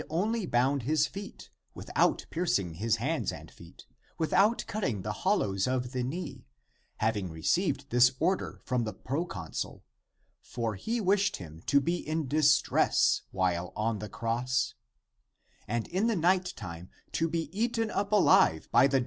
26) only bound his feet < without piercing his hands and feet>, without cutting the hollows of the knee, having received this order from the proconsul, for he wished him to be in distress while on the cross, and in the night time to be eaten up alive by the This paragraph is ir..